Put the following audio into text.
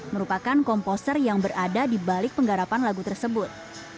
merupakan komposer yang berada di balik penggarapan lagu tersebut